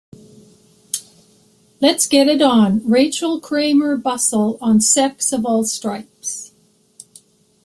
Let's Get It On: Rachel Kramer Bussel on sex of all stripes.